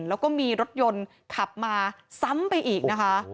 แล้วก็มีรถยนต์ขับมาซ้ำไปอีกนะคะ